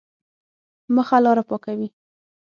مخه لاره پاکوي.